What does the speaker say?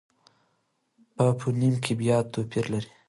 په فونېم کې بیا توپیر لري.